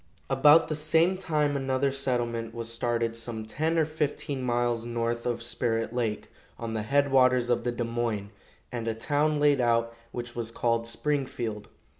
About the same time another settlement was started some ten or fifteen miles north of Spirit lake, on the head waters of the Des Moines, and a town laid out which was called Springfield.